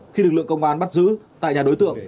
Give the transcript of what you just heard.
khi lực lượng công an bắt giữ tại nhà đối tượng